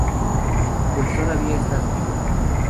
Pues todavía estás vivo".